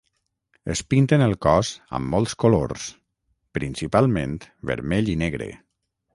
Es pinten el cos amb molts colors, principalment vermell i negre.